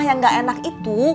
yang gak enak itu